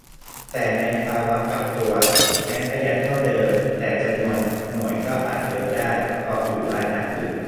แต่ในภาวะกักตัว แม้ประหยัดเท่าเดิม แต่จำนวนหน่วยก็อาจเยอะได้ เพราะอยู่บ้านนานขึ้น